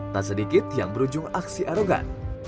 tak sedikit yang berujung aksi arogan